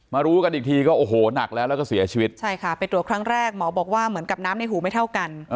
รู้กันอีกทีก็โอ้โหหนักแล้วแล้วก็เสียชีวิตใช่ค่ะไปตรวจครั้งแรกหมอบอกว่าเหมือนกับน้ำในหูไม่เท่ากัน